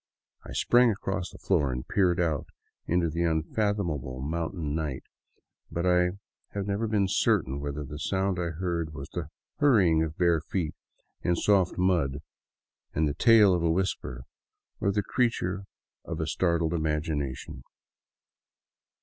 I sprang across the floor and peered out into the unfathomable mountain night; but I have never been certain whether the sound I heard was the hurrying of bare feet in soft mud and the tail of a whisper, or the creature of a startled imagination.